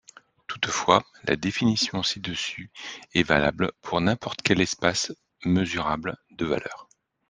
Toutefois, la définition ci-dessus est valable pour n'importe quel espace mesurable de valeurs.